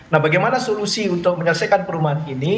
nah bagaimana solusi untuk menyelesaikan perumahan ini